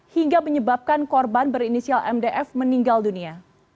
hingga menyebabkan korban berinisial mdf meninggal dunia